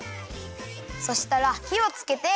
そしたらひをつけて。